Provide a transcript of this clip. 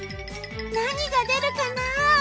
なにがでるかな？